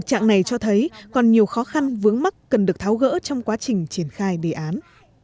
tình trạng này cho thấy còn nhiều khó khăn vướng mắt cần được tháo gỡ trong quá trình triển khai đề án